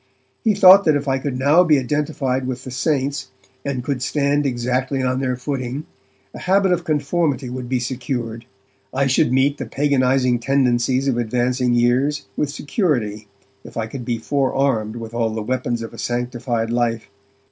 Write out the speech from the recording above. He thought that if I could now be identified with the 'saints', and could stand on exactly their footing, a habit of conformity would be secured. I should meet the paganizing tendencies of advancing years with security if I could be forearmed with all the weapons of a sanctified life.